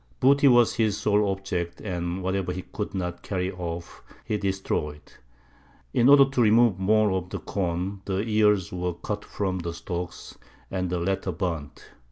Booty was his sole object, and whatever he could not carry off he destroyed. In order to remove more of the corn, the ears were cut from the stalks, and the latter burnt.